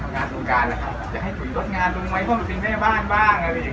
แล้วก็เห็นเหนื่อยหนาเราก็รู้สึกว่าการทำงานมันก็เป็นอะไรที่สำคัญใกล้ชีวิตเรา